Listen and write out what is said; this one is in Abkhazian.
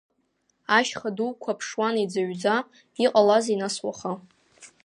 Ашьха дуқәа ԥшуан иӡыҩӡа, иҟалазеи нас уаха?